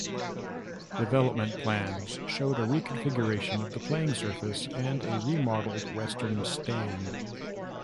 Development plans showed a reconfiguration of the playing surface and a remodelled western stand.